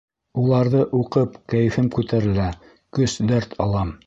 Уларҙы уҡып кәйефем күтәрелә, көс-дәрт алам.